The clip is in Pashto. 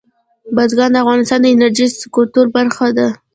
بزګان د افغانستان د انرژۍ سکتور برخه ده.